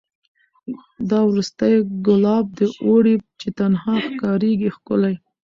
دا وروستی ګلاب د اوړي چي تنها ښکاریږي ښکلی